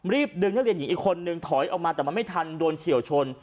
ดึงนักเรียนหญิงอีกคนนึงถอยออกมาแต่มันไม่ทันโดนเฉียวชน